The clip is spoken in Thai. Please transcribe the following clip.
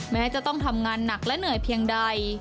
แม้จะต้องทำงานหนักและเหนื่อยเพียงใด